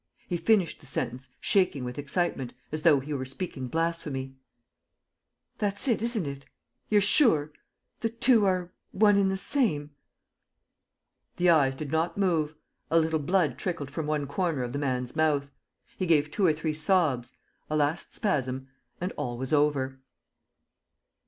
He finished the sentence, shaking with excitement, as though he were speaking blasphemy: "That's it, isn't it? You're sure? The two are one and the same? ..." The eyes did not move. A little blood trickled from one corner of the man's mouth. ... He gave two or three sobs. ... A last spasm; and all was over